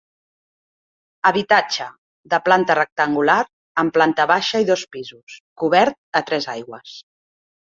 Habitatge: de planta rectangular, amb planta baixa i dos pisos, cobert a tres aigües.